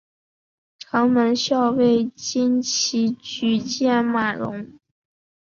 城门校尉岑起举荐马融。